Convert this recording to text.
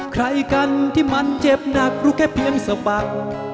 ใครกันที่มันเจ็บหนักรู้แค่เพียงสะบัก